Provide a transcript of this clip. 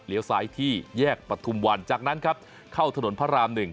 เหลียวซ้ายที่แยกประทุมวันจากนั้นครับเข้าถนนพระรามหนึ่ง